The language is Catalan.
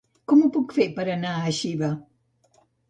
Com ho puc fer per anar a Xiva?